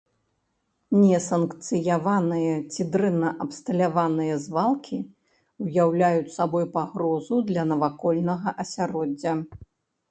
Несанкцыянаваныя ці дрэнна абсталяваныя звалкі ўяўляюць сабой пагрозу для навакольнага асяроддзя.